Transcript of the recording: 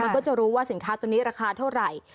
แล้วก็จะรู้ว่าสินค้าตัวนี้ราคาเท่าไหร่